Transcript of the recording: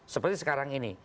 seperti sekarang ini